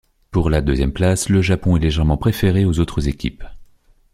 Pour la deuxième place, le Japon est légèrement préféré aux autres équipes.